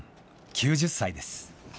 ９０歳です。